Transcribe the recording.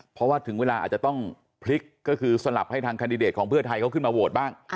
เพราะว่าถึงเวลาอาจจะต้องพลิกก็คือสลับให้ทางแคนดิเดตของเพื่อไทยเขาขึ้นมาโหวตบ้าง